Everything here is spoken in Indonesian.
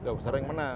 tidak sering menang